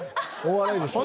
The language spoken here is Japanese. お笑いです。